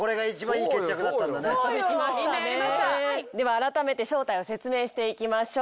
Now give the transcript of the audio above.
ではあらためて正体を説明していきましょう。